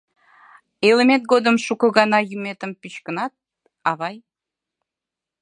— Илымет годым шуко гана йӱметым пӱчкынат, авай.